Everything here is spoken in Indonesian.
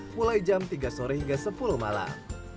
mulai jam tiga sore hingga sepuluh malam